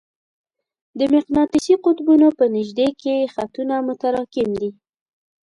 د مقناطیسي قطبونو په نژدې کې خطونه متراکم دي.